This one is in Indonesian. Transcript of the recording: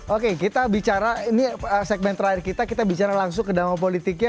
oke kita bicara ini segmen terakhir kita kita bicara langsung ke dalam politiknya